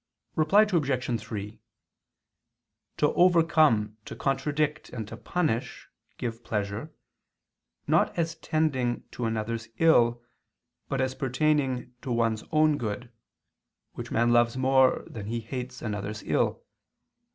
Reply Obj. 3: To overcome, to contradict, and to punish, give pleasure, not as tending to another's ill, but as pertaining to one's own good, which man loves more than he hates another's ill.